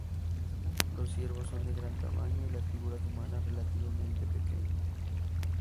Los ciervos son de gran tamaño y las figuras humanas relativamente pequeñas.